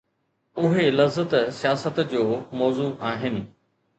اهي لذت، سياست جو موضوع آهن.